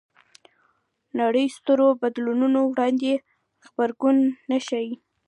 نړۍ سترو بدلونونو وړاندې غبرګون نه ښيي